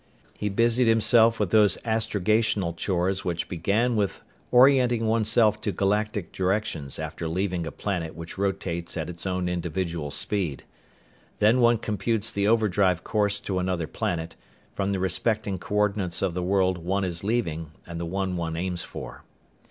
He busied himself with those astrogational chores which began with orienting oneself to galactic directions after leaving a planet which rotates at its own individual speed. Then one computes the overdrive course to another planet, from the respecting coordinates of the world one is leaving and the one one aims for.